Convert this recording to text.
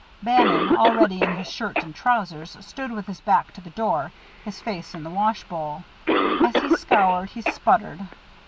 Bannon, already in his shirt and trousers, stood with his back to the door, his face in the washbowl. As he scoured he sputtered.